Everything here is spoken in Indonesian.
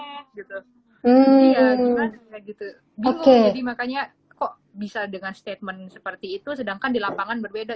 bingung jadi makanya kok bisa dengan statement seperti itu sedangkan di lapangan berbeda